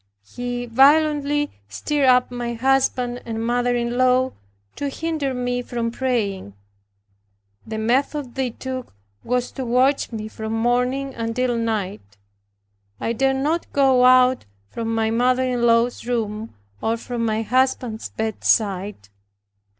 He violently stirred up my husband and mother in law to hinder me from praying. The method they took was to watch me from morning until night. I dared not go out from my mother in law's room, or from my husband's bedside.